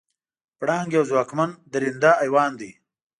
پړانګ یو ځواکمن درنده حیوان دی.